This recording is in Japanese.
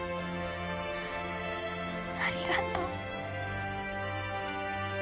ありがとう。